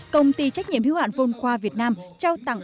công ty trách nhiệm hiếu hạn vôn khoa việt nam trao tặng